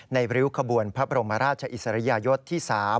ริ้วขบวนพระบรมราชอิสริยยศที่๓